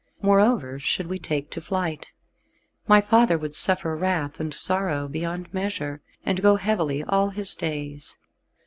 Moreover should we take to flight, my father would suffer wrath and sorrow beyond measure, and go heavily all his days.